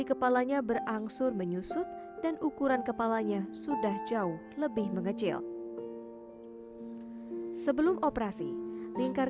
kepalanya berangsur menyusut dan ukuran kepalanya sudah jauh lebih mengecil sebelum operasi lingkar